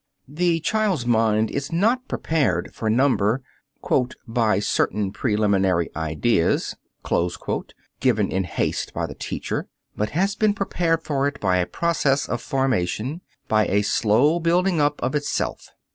The child's mind is not prepared for number "by certain preliminary ideas," given in haste by the teacher, but has been prepared for it by a process of formation, by a slow building up of itself.